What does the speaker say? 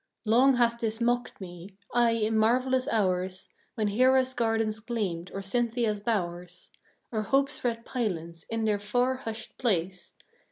Long hath this mocked me: aye in marvelous hours, When Hera's gardens gleamed, or Cynthia's bowers, Or Hope's red pylons, in their far, hushed place!